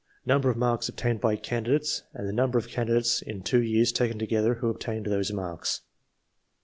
Number of marks obtained by candidates. Number of candidates in the two years, taken together, who obtained those marks.